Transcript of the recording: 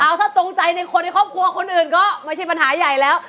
เอาถ้าตรงใจในคนในครอบครัวคนอื่นก็ไม่ใช่ปัญหาใหญ่แล้ว